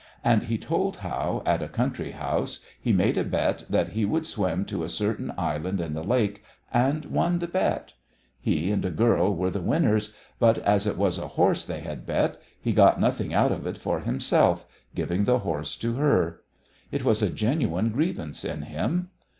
And he told how, at a country house, he made a bet that he would swim to a certain island in the lake, and won the bet. He and a girl were the winners, but as it was a horse they had bet, he got nothing out of it for himself, giving the horse to her. It was a genuine grievance in him.